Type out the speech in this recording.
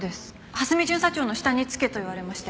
蓮見巡査長の下につけと言われまして。